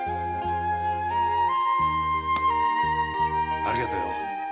ありがとよ。